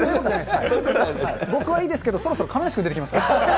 僕はいいですけど、そろそろ亀梨君出てきますから。